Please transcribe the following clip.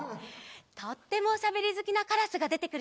とってもおしゃべりずきなカラスがでてくるよ！